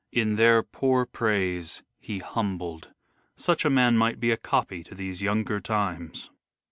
In their poor praise he humbled. Such a man Might be a copy to these younger times."